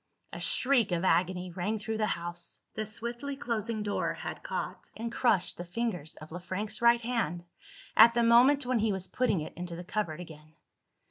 A shriek of agony rang through the house. The swiftly closing door had caught, and crushed, the fingers of Le Frank's right hand, at the moment when he was putting it into the cupboard again.